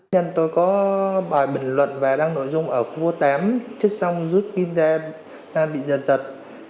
nhân tôi có bài bình luận và đăng nội dung ở khu tám chích xong rút kim ra bị dần chật